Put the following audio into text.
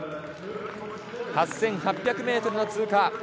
８８００ｍの通過。